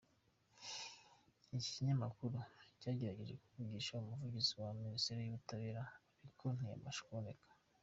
Iki kinyamakuru cyagerageje kuvugisha Umuvugizi wa Minisiteri y’Ubutabera ariko ntiyabasha kuboneka.